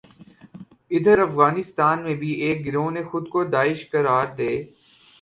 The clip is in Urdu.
ادھر افغانستان میں بھی ایک گروہ نے خود کو داعش قرار دے